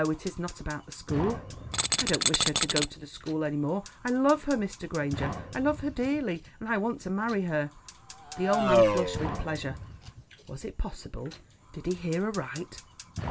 It is not about the school. I don't wish her to go to the school any more. I love her, Mr. Granger, I love her dearly, and I want to marry her." The old man flushed with pleasure. Was it possible? Did he hear aright?